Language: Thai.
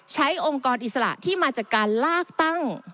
องค์กรอิสระที่มาจากการลากตั้ง